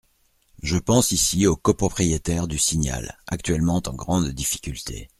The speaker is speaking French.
Je pense ici aux copropriétaires du Signal, actuellement en grande difficulté.